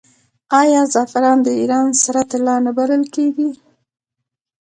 آیا زعفران د ایران سره طلا نه بلل کیږي؟